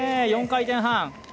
４回転半。